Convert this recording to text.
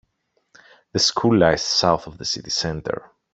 The school lies south of the city center.